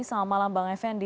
selamat malam bang effendi